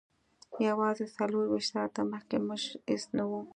یوازې څلور ویشت ساعته مخکې موږ هیڅ نه وو